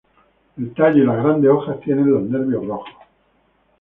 El tallo y las grandes hojas tienen los nervios rojos.